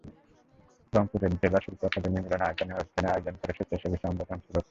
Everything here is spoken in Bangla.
নগরের জেলা শিল্পকলা একাডেমী মিলনায়তনে অনুষ্ঠানের আয়োজন করে স্বেচ্ছাসেবী সংগঠন স্রোত।